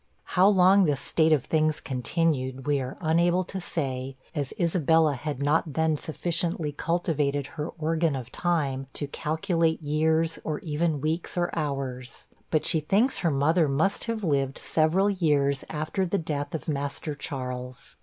How long this state of things continued, we are unable to say, as Isabella had not then sufficiently cultivated her organ of time to calculate years, or even weeks or hours. But she thinks her mother must have lived several years after the death of Master Charles.